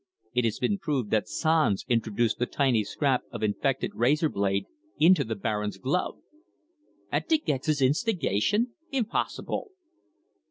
It has been proved that Sanz introduced the tiny scrap of infected razor blade into the Baron's glove." "At De Gex's instigation? impossible!"